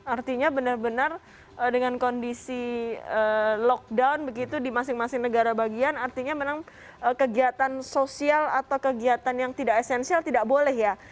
artinya benar benar dengan kondisi lockdown begitu di masing masing negara bagian artinya memang kegiatan sosial atau kegiatan yang tidak esensial tidak boleh ya